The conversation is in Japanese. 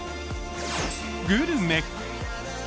グルメ。